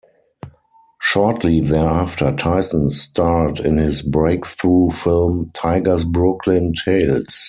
Shortly thereafter Tyson starred in his breakthrough film, "Tiger's Brooklyn Tails".